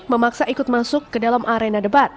memaksa ikut masuk ke dalam arena debat